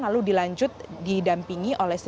lalu dilanjut didampingi oleh